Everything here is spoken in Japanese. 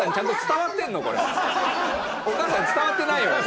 お義母さんに伝わってないよね？